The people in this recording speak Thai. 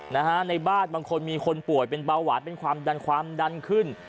นะฮะในบ้านบางคนมีคนป่วยเป็นเบาหวานเป็นความดันความดันขึ้น